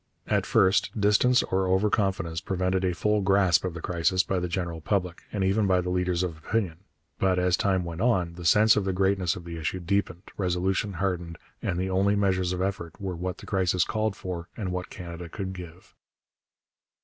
At first, distance or over confidence prevented a full grasp of the crisis by the general public, and even by the leaders of opinion; but, as time went on, the sense of the greatness of the issue deepened, resolution hardened, and the only measures of effort were what the crisis called for and what Canada could give.